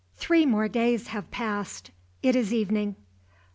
Three more days have passed. It is evening.